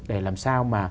để làm sao